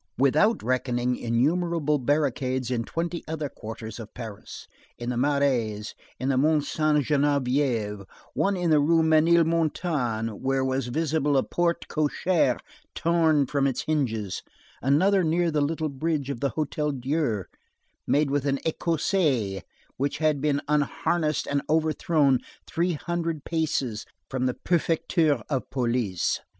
Without reckoning innumerable barricades in twenty other quarters of Paris, in the Marais, at Mont Sainte Geneviève; one in the Rue Ménilmontant, where was visible a porte cochère torn from its hinges; another near the little bridge of the Hôtel Dieu made with an "écossais," which had been unharnessed and overthrown, three hundred paces from the Prefecture of Police.